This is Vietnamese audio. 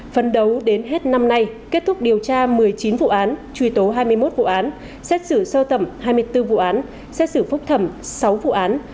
phấn đấu đến hết năm nay kết thúc điều tra một mươi chín vụ án truy tố hai mươi một vụ án xét xử sơ thẩm hai mươi bốn vụ án xét xử phúc thẩm sáu vụ án